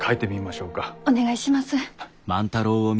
お願いします。